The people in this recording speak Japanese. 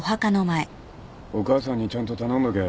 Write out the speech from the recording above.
お母さんにちゃんと頼んどけ。